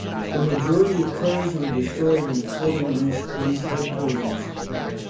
The majority of cars were destroyed when flooding reached police headquarters.